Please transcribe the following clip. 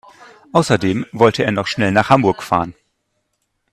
Außerdem wollte er noch schnell nach Hamburg fahren